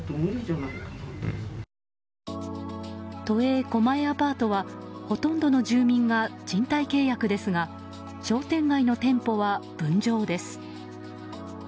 都営狛江アパートはほとんどの住民が賃貸契約ですが商店街の店舗は分譲です。